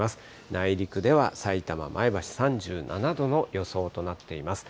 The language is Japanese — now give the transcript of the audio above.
内陸ではさいたま、前橋、３７度の予想となっています。